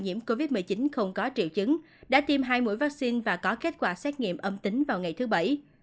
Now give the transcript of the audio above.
nhiễm covid một mươi chín không có triệu chứng đã tiêm hai mũi vaccine và có kết quả xét nghiệm âm tính vào ngày thứ bảy